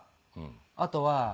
あとは。